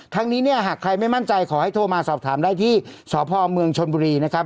นี้เนี่ยหากใครไม่มั่นใจขอให้โทรมาสอบถามได้ที่สพเมืองชนบุรีนะครับ